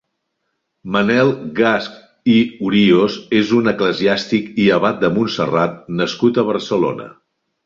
Manel Gasch i Hurios és un eclesiàstic i abat de Montserrat nascut a Barcelona.